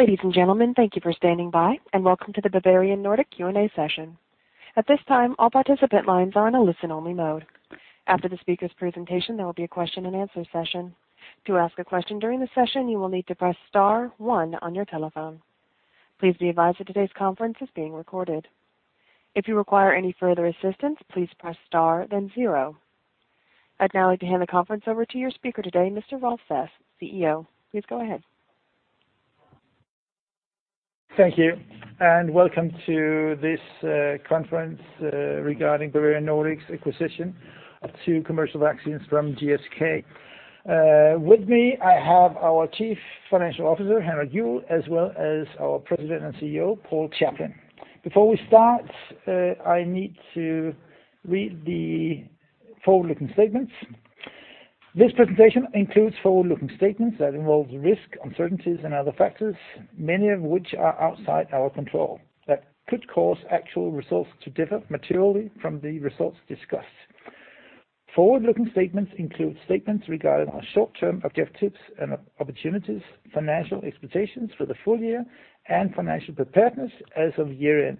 Ladies and gentlemen, thank you for standing by, and welcome to the Bavarian Nordic Q&A session. At this time, all participant lines are in a listen-only mode. After the speaker's presentation, there will be a question-and-answer session. To ask a question during the session, you will need to press star one on your telephone. Please be advised that today's conference is being recorded. If you require any further assistance, please press star, then zero. I'd now like to hand the conference over to your speaker today, Mr. Rolf Sass. Please go ahead. Thank you, and welcome to this conference regarding Bavarian Nordic's acquisition of two commercial vaccines from GSK. With me, I have our Chief Financial Officer Henrik Juul, as well as our President and CEO Paul Chaplin. Before we start, I need to read the forward-looking statements. This presentation includes forward-looking statements that involve risks, uncertainties, and other factors, many of which are outside our control, that could cause actual results to differ materially from the results discussed. Forward-looking statements include statements regarding our short-term objectives and opportunities, financial expectations for the full year, and financial preparedness as of year-end,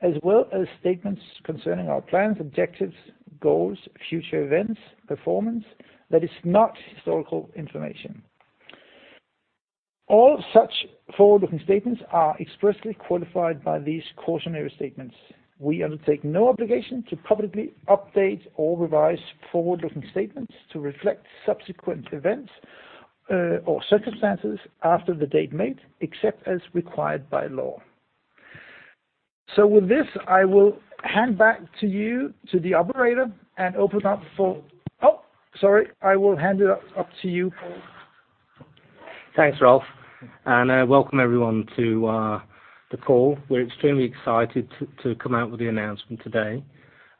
as well as statements concerning our plans, objectives, goals, future events, performance that is not historical information. All such forward-looking statements are expressly qualified by these cautionary statements. We undertake no obligation to publicly update or revise forward-looking statements to reflect subsequent events, or circumstances after the date made, except as required by law. With this, I will hand back to you, to the operator, and open up for. Oh, sorry. I will hand it up to you, Paul. Thanks, Rolf. Welcome everyone to the call. We're extremely excited to come out with the announcement today.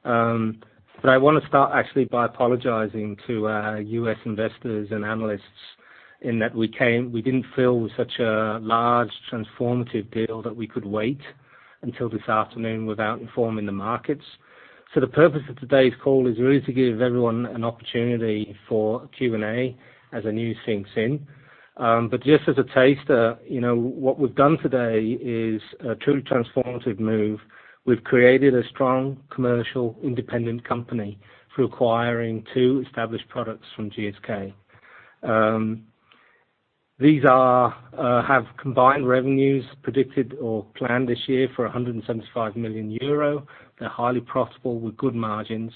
I want to start actually by apologizing to our U.S. investors and analysts in that we didn't feel with such a large transformative deal that we could wait until this afternoon without informing the markets. The purpose of today's call is really to give everyone an opportunity for Q&A as the news sinks in. Just as a taster, you know, what we've done today is a truly transformative move. We've created a strong commercial independent company through acquiring two established products from GSK. These have combined revenues predicted or planned this year for 175 million euro. They're highly profitable with good margins,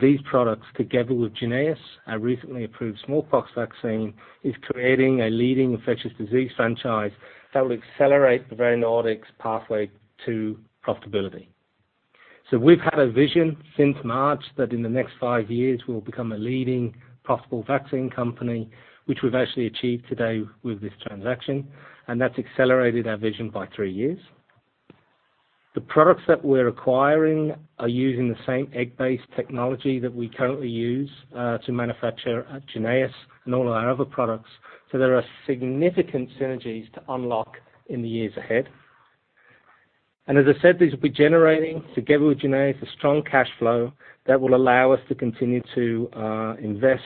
these products, together with JYNNEOS, our recently approved smallpox vaccine, is creating a leading infectious disease franchise that will accelerate Bavarian Nordic's pathway to profitability. We've had a vision since March, that in the next 5 years, we'll become a leading profitable vaccine company, which we've actually achieved today with this transaction, that's accelerated our vision by three years. The products that we're acquiring are using the same egg-based technology that we currently use to manufacture at JYNNEOS and all of our other products, there are significant synergies to unlock in the years ahead. As I said, these will be generating, together with JYNNEOS, a strong cash flow that will allow us to continue to invest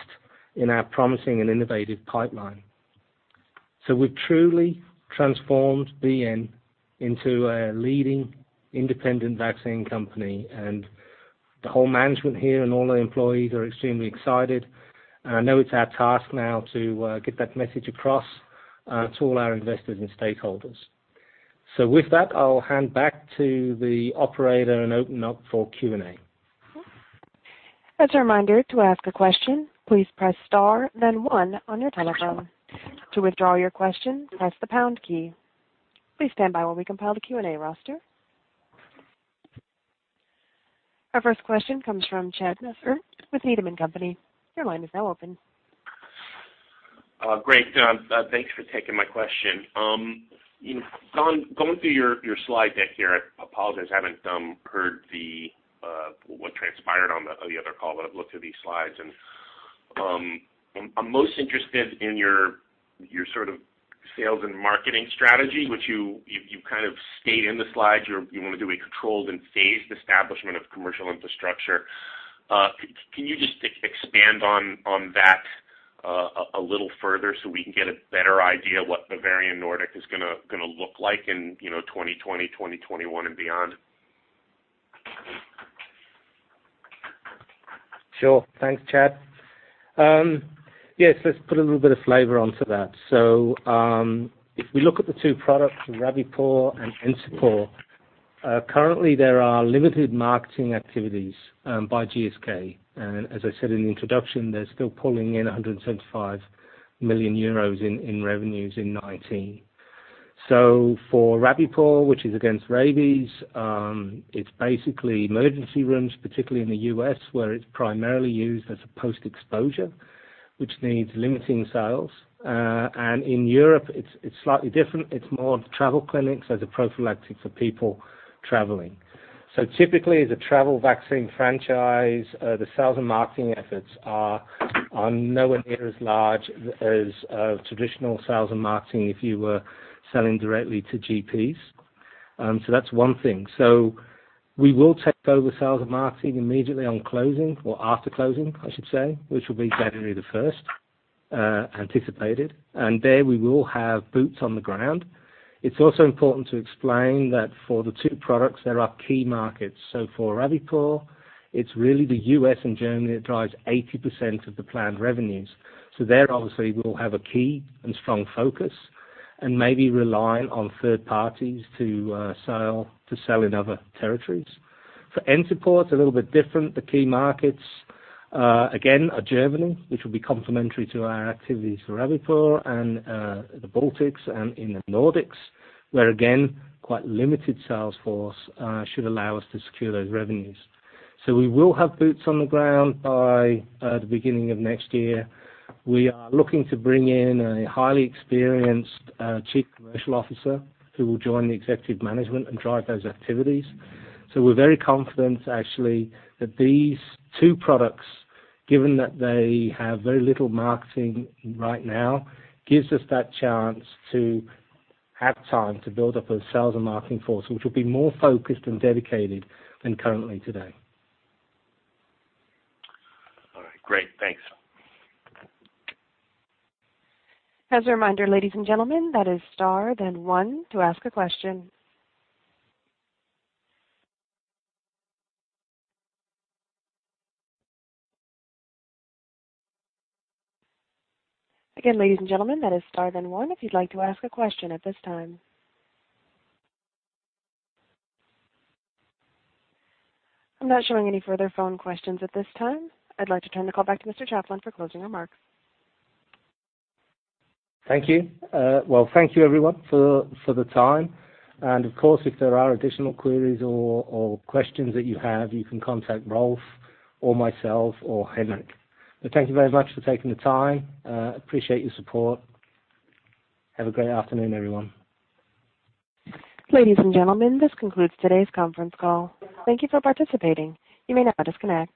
in our promising and innovative pipeline. We've truly transformed BN into a leading independent vaccine company, and the whole management here and all the employees are extremely excited. I know it's our task now to get that message across to all our investors and stakeholders. With that, I'll hand back to the operator and open up for Q&A. As a reminder, to ask a question, please press star, then one on your telephone. To withdraw your question, press the pound key. Please stand by while we compile the Q&A roster. Our first question comes from Chad Messer with Needham & Company. Your line is now open. Great, thanks for taking my question. Going through your slide deck here, I apologize, I haven't heard what transpired on the other call, but I've looked through these slides. I'm most interested in your sort of sales and marketing strategy, which you kind of stated in the slides, you want to do a controlled and phased establishment of commercial infrastructure. Can you just expand on that a little further so we can get a better idea what Bavarian Nordic is gonna look like in, you know, 2020, 2021 and beyond? Sure. Thanks, Chad Messer. Yes, let's put a little bit of flavor onto that. If we look at the two products, Rabipur and Encepur, currently there are limited marketing activities by GSK. As I said in the introduction, they're still pulling in 175 million euros in revenues in 2019. For Rabipur, which is against rabies, it's basically emergency rooms, particularly in the U.S., where it's primarily used as a post-exposure, which needs limiting sales. In Europe, it's slightly different. It's more of travel clinics as a prophylactic for people traveling. Typically, the travel vaccine franchise, the sales and marketing efforts are nowhere near as large as traditional sales and marketing if you were selling directly to GPs. That's one thing. We will take over sales and marketing immediately on closing or after closing, I should say, which will be January the first, anticipated. There we will have boots on the ground. It's also important to explain that for the two products, there are key markets. For Rabipur, it's really the U.S. and Germany that drives 80% of the planned EUR revenues. There, obviously, we'll have a key and strong focus and maybe rely on third parties to sell in other territories. For Encepur, a little bit different. The key markets, again, are Germany, which will be complementary to our activities for Rabipur and the Baltics and in the Nordics, where, again, quite limited sales force should allow us to secure those EUR revenues. We will have boots on the ground by the beginning of next year. We are looking to bring in a highly experienced, chief commercial officer, who will join the executive management and drive those activities. We're very confident, actually, that these two products, given that they have very little marketing right now, gives us that chance to have time to build up those sales and marketing force, which will be more focused and dedicated than currently today. All right, great. Thanks. As a reminder, ladies and gentlemen, that is star, then one to ask a question. Again, ladies and gentlemen, that is Star, then one, if you'd like to ask a question at this time. I'm not showing any further phone questions at this time. I'd like to turn the call back to Mr. Chaplin for closing remarks. Thank you. Well, thank you everyone for the time. Of course, if there are additional queries or questions that you have, you can contact Rolf or myself or Henrik. Thank you very much for taking the time. Appreciate your support. Have a great afternoon, everyone. Ladies and gentlemen, this concludes today's conference call. Thank You for participating. You may now disconnect.